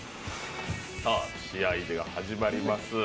試合が始まります。